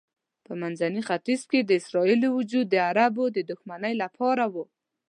په منځني ختیځ کې د اسرائیلو وجود د عربو د دښمنۍ لپاره و.